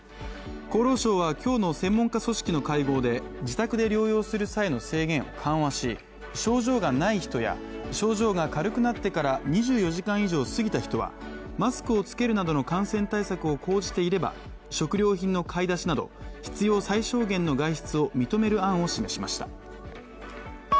厚労省は今日の専門家組織の会合で自宅で療養する際の制限を緩和し症状がない人や、症状が軽くなってから２４時間以上過ぎた人はマスクをつけるなどの感染対策を講じていれば食料品の買い出しなど必要最小限の外出を認める案を示しました。